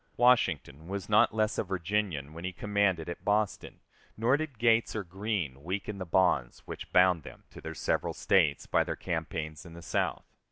Washington was not less a Virginian when he commanded at Boston, nor did Gates or Greene weaken the bonds which bound them to their several States by their campaigns in the South.